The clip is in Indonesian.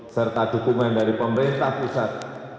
serta dukungan dari pemerintah pusat